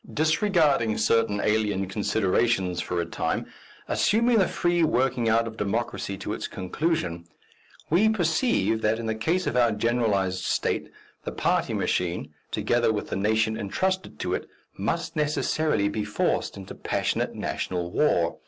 Disregarding certain alien considerations for a time, assuming the free working out of democracy to its conclusion, we perceive that, in the case of our generalized state, the party machine, together with the nation entrusted to it, must necessarily be forced into passionate national war.